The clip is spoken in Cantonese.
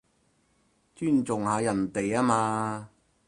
尊重下人哋吖嘛